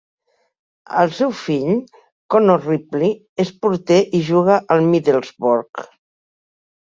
El seu fill, Connor Ripley, és porter i juga al Middlesbrough.